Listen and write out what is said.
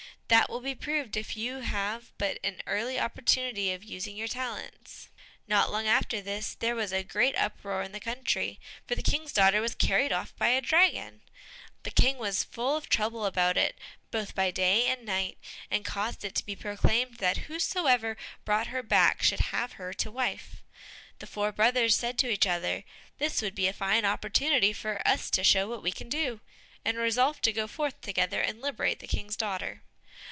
That will be proved if you have but an early opportunity of using your talents." Not long after this, there was a great uproar in the country, for the King's daughter was carried off by a dragon. The King was full of trouble about it, both by day and night, and caused it to be proclaimed that whosoever brought her back should have her to wife. The four brothers said to each other, "This would be a fine opportunity for us to show what we can do!" and resolved to go forth together and liberate the King's daughter.